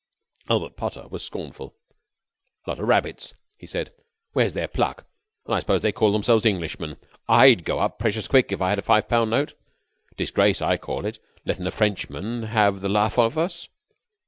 Albert Potter was scornful. "Lot of rabbits," he said. "Where's their pluck? And I suppose they call themselves Englishmen. I'd go up precious quick if I had a five pound note. Disgrace, I call it, letting a Frenchman have the laugh of us."